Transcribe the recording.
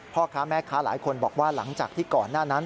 พ่อค้าแม่ค้าหลายคนบอกว่าหลังจากที่ก่อนหน้านั้น